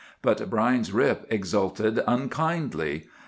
But Brine's Rip exulted unkindly.